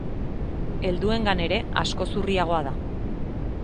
Helduengan ere askoz urriagoa da.